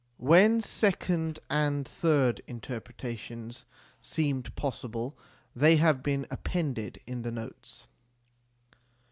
When second and third interpretations seemed possible, they have been appended in the notes.